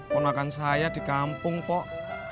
ponakan saya di kampung kok